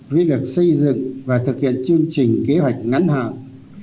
với việc xây dựng và thực hiện chương trình kế hoạch ngắn hạn